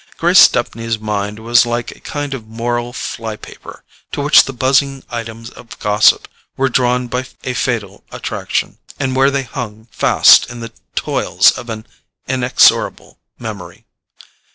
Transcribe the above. Grace Stepney's mind was like a kind of moral fly paper, to which the buzzing items of gossip were drawn by a fatal attraction, and where they hung fast in the toils of an inexorable memory.